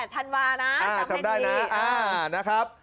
อ๋อ๑๘ธันวานะจำได้นะอ่านะครับ